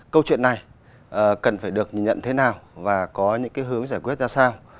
câu chuyện này cần phải được nhìn nhận thế nào và có những hướng giải quyết ra sao